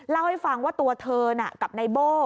เล่าให้ฟังว่าตัวเธอน่ะกับนายโบ้